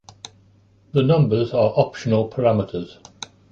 The numbers are optional parameters.